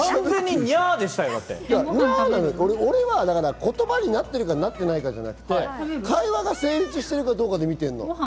これは言葉になってるかなってないかじゃなくて会話が成立しているかどうかで見ているの。